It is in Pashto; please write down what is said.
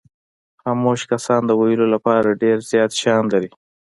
خاموش کسان د ویلو لپاره ډېر زیات شیان لري.